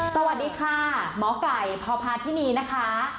สวัสดีค่ะหมอไก่พพาธินีนะคะ